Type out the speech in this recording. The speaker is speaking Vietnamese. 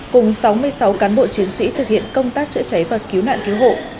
cùng sáu mươi sáu cán bộ chiến sĩ thực hiện công tác chữa cháy và cứu nạn cứu hộ